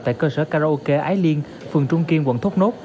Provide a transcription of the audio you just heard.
tại cơ sở karaoke ái liên phường trung kiên quận thốt nốt